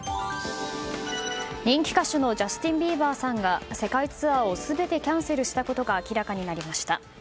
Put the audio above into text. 人気歌手のジャスティン・ビーバーさんが世界ツアーを全てキャンセルことが明らかになりました。